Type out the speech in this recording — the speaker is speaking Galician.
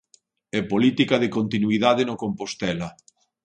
E política de continuidade no Compostela.